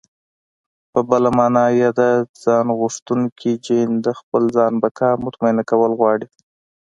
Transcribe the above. په بله مانا ياد ځانغوښتونکی جېن د خپل ځان بقا مطمينه کول غواړي.